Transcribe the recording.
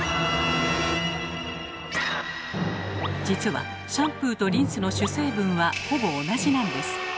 実はシャンプーとリンスの主成分はほぼ同じなんです。